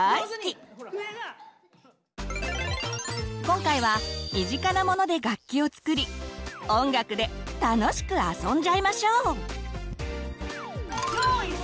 今回は身近なモノで楽器を作り音楽で楽しくあそんじゃいましょう！